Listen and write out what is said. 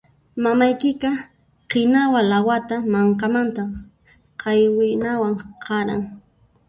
Mamayqa kinuwa lawata mankamanta qaywinawan qaran.